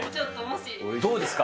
どうですか？